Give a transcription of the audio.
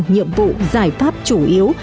nhiệm vụ giải pháp chủ yếu